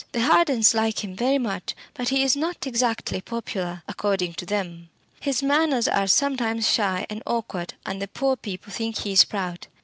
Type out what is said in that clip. The Hardens like him very much, but he is not exactly popular, according to them. His manners are sometimes shy and awkward, and the poor people think he's proud."